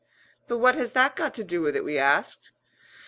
"But what has that got to do with it?" we asked.